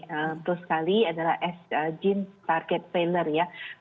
tentu sekali adalah gene target failure ya